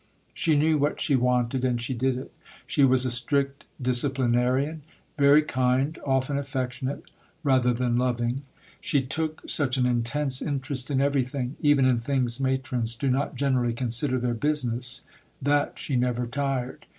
She knew what she wanted, and she did it. She was a strict disciplinarian; very kind, often affectionate, rather than loving. She took such an intense interest in everything, even in things matrons do not generally consider their business, that she never tired.